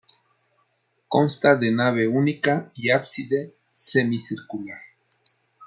Consta de nave única y ábside semicircular.